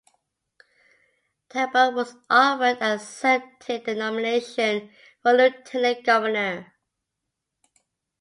Talbot was offered and accepted the nomination for Lieutenant Governor.